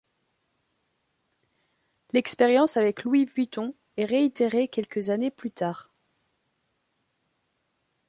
L'expérience avec Louis Vuitton est réitérée quelques années plus tard.